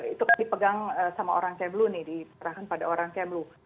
itu dipegang sama orang kemlu nih diperahkan pada orang kemlu